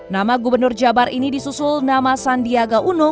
nama gubernur jabar ini disusul nama sandiaga uno